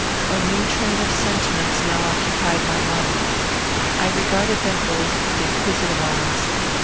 A new train of sentiments now occupied my mind. I regarded them both with inquisitive eyes.